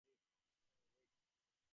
আচ্ছা, রিক।